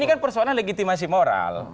ini kan persoalan legitimasi moral